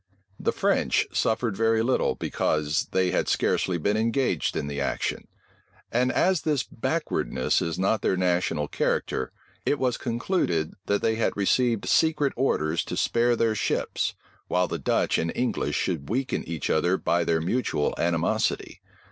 The French suffered very little, because they had scarcely been engaged in the action; and as this backwardness is not their national character, it was concluded, that they had received secret orders to spare their ships, while the Dutch and English should weaken each other by their mutual animosity.